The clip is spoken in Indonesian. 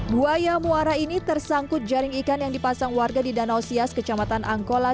buaya muara ini tersangkut jaring ikan yang dipasang warga di danau sias kecamatan angkola